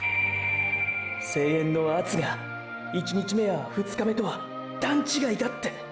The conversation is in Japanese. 声援の圧が１日目や２日目とは段違いだって。